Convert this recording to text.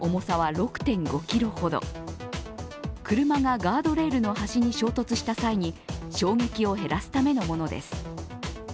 車がガードレールの端に衝突した際に衝撃を減らすためのものです。